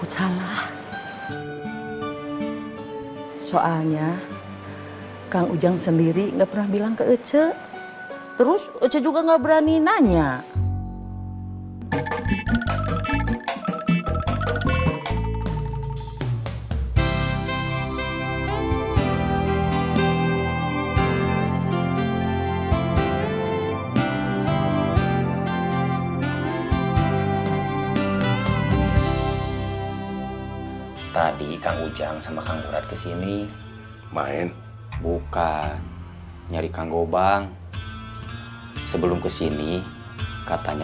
ternyata kang ujang sendiri tidak pernah bilang ke ece terus ece juga tidak berani nanya